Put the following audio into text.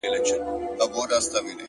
حالات چي سوزوي ستا په لمن کي جانانه